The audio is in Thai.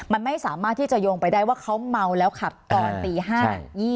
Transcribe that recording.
มันไม่สามารถที่จะโยงไปได้ว่าเขาเมาแล้วขับตอนตี๕